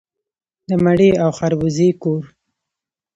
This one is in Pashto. د مڼې او خربوزې کور.